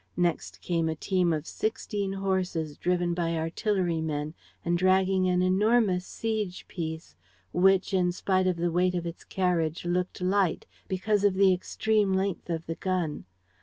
Next came a team of sixteen horses, driven by artillery men and dragging an enormous siege piece which, in spite of the weight of its carriage, looked light, because of the extreme length of the gun.